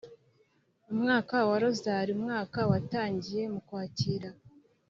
umwaka wa rozali”, umwaka watangiye m’ukwakira